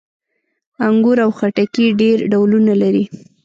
انګور او خټکي یې ډېر ډولونه لري.